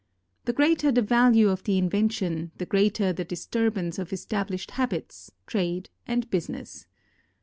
The greater the value of the invention, the greater the disturbance of established habits, trade, and business.